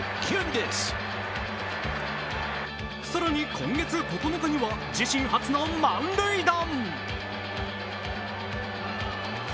更に今月９日には自身初の満塁弾。